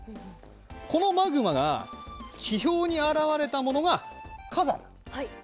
このマグマが地表に現れたものが火山。